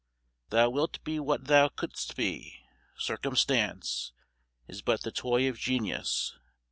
Thou wilt be what thou couldst be. Circumstance Is but the toy of genius.